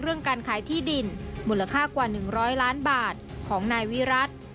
การขายที่ดินมูลค่ากว่า๑๐๐ล้านบาทของนายวิรัติ